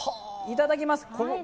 いただきます。